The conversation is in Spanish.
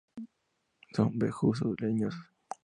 Son bejucos leñosos.